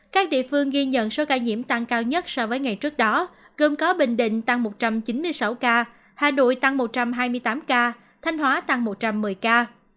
các địa phương ghi nhận số ca nhiễm tăng cao nhất so với ngày trước đó gồm có bình định tăng một trăm chín mươi sáu ca hà nội tăng một trăm hai mươi tám ca thanh hóa tăng một trăm một mươi ca